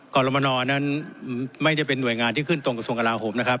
กรมนนั้นไม่ได้เป็นห่วยงานที่ขึ้นตรงกระทรวงกราโหมนะครับ